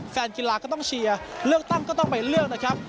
แฟนกีฬาก็ต้องเชียร์เลือกตั้งก็ต้องไปเลือกนะครับ